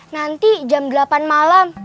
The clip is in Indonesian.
nanti jam delapan malam